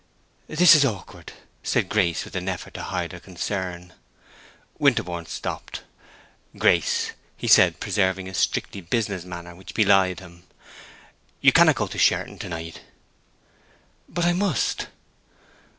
"This is awkward," said Grace, with an effort to hide her concern. Winterborne stopped. "Grace," he said, preserving a strictly business manner which belied him, "you cannot go to Sherton to night." "But I must!"